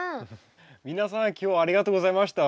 皆さん今日はありがとうございました。